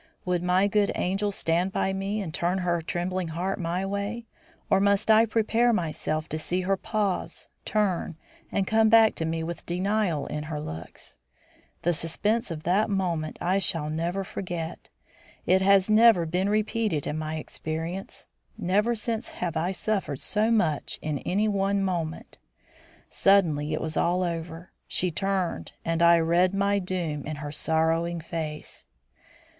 Would my good angel stand by me and turn her trembling heart my way, or must I prepare myself to see her pause, turn, and come back to me with denial in her looks? The suspense of that moment I shall never forget. It has never been repeated in my experience. Never since have I suffered so much in any one moment. Suddenly it was all over. She turned and I read my doom in her sorrowing face.